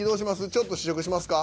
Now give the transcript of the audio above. ちょっと試食しますか？